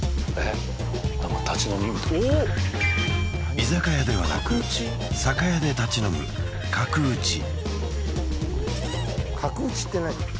居酒屋ではなく酒屋で立ち飲む角打ち角打ちって何？